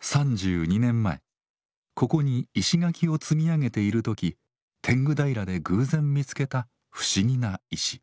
３２年前ここに石垣を積み上げている時天狗平で偶然見つけた不思議な石。